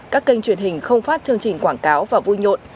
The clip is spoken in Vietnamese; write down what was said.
các kênh truyền hình không phát chương trình quảng cáo và vui nhộn